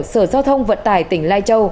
sở giao thông vận tải tỉnh lai châu